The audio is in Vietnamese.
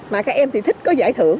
mà các em thì thích có giải thưởng